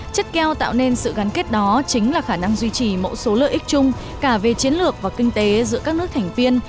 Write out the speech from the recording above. chất keo tạo nên sự gắn kết đó chính là khả năng duy trì mẫu số lợi ích chung cả về chiến lược và kinh tế giữa các nước thành viên